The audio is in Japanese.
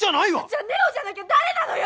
「じゃあ新音じゃなきゃ誰なのよ！？」